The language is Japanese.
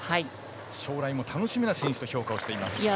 将来も楽しみな選手と評価しています。